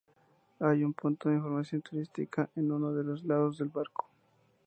Hay un punto de información turística en uno de los lados del barco..